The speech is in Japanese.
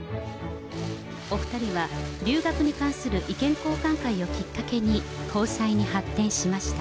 お２人は留学に関する意見交換会をきっかけに、交際に発展しました。